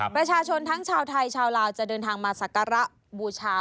ประชาชนทั้งชาวไทยชาวลาวจะเดินทางมาสักการะบูชา